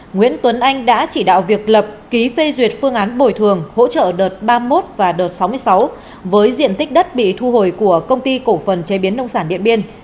nguyễn tuấn anh đã chỉ đạo việc lập ký phê duyệt phương án bồi thường hỗ trợ đợt ba mươi một và đợt sáu mươi sáu với diện tích đất bị thu hồi của công ty cổ phần chế biến nông sản điện biên